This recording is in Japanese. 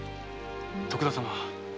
徳田様